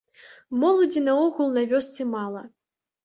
Моладзі наогул на вёсцы мала.